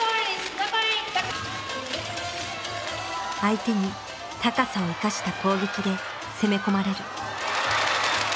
相手に高さを生かした攻撃で攻め込まれる。